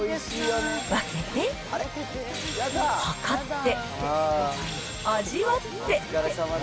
分けて、量って、味わって。